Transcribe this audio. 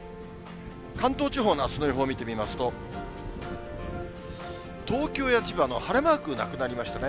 関東地方のあすの予報見てみますと、東京や千葉の晴れマークなくなりましたね。